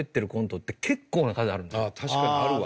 確かにあるわ。